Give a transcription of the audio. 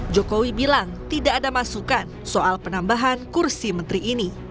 jokowi bilang tidak ada masukan soal penambahan kursi menteri ini